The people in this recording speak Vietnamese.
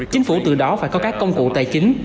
chính phủ từ đó phải có các công cụ tài chính